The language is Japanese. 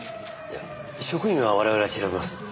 いや職員は我々が調べます。